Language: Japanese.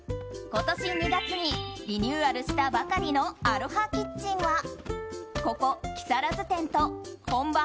今年２月にリニューアルしたばかりのアロハキッチンはここ木更津店と本場